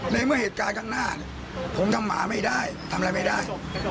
ในเมื่อเหตุการณ์ข้างหน้าผมทำหมาไม่ได้ทำอะไรไม่ได้